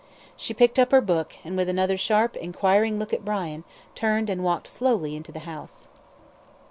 She picked up her book, and with another sharp enquiring look at Brian, turned and walked slowly into the house.